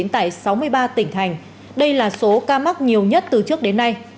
tại sáu mươi ba tỉnh thành đây là số ca mắc nhiều nhất từ trước đến nay